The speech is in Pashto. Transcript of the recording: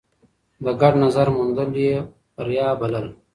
د ګډ نظر موندل يې بريا بلله.